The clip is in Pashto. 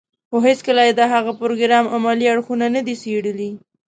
خو هېڅکله يې د هغه پروګرام عملي اړخونه نه دي څېړلي.